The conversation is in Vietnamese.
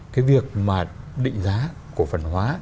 cái việc mà định giá của phần hóa